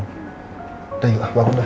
udah yuk bangun dah